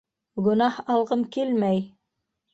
Гонаһ алғым килмәй!